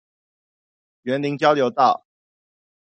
員林交流道